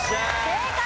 正解。